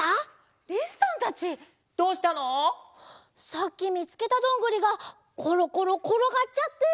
さっきみつけたどんぐりがころころころがっちゃって。